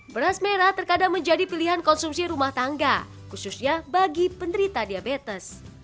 beras merah terkadang menjadi pilihan konsumsi rumah tangga khususnya bagi penderita diabetes